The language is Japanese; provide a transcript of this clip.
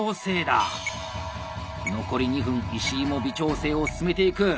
残り２分石井も微調整を進めていく！